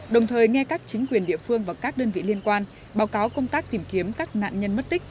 đồng thời nghe các chính quyền địa phương và các đơn vị liên quan báo cáo công tác tìm kiếm các nạn nhân mất tích